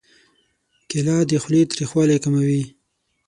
کېله د خولې تریخوالی کموي.